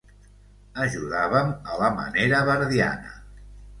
Ajudàvem a la manera verdiana.